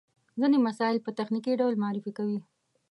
ځينې مسایل په تخنیکي ډول معرفي کوي.